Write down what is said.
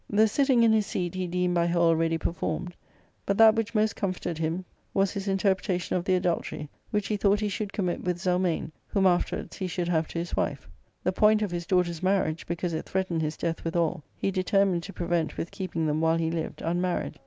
The sitting in his seat he deemed by her already performed ; but that which most comforted him was his interpretation of the adultery, which he thought he should commit with Zelmane, whom afterwards he should have to his wife. The point of his daughters' marriage, because it threatened his death withal, he determined to prevent with keeping them, while he lived, unmarried.